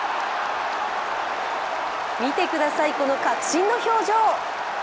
見てください、この確信の表情。